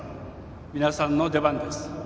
皆さんの出番です。